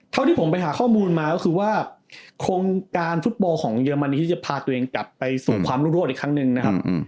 ที่ผมไปหาข้อมูลมาก็คือว่าโครงการฟุตบอลของเยอรมนีที่จะพาตัวเองกลับไปสู่ความรุ่งรวดอีกครั้งหนึ่งนะครับ